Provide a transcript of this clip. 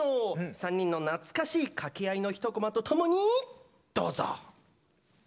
３人の懐かしい掛け合いのひとコマとともに、どうぞ！